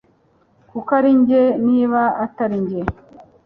kuko arinjye niba atari njye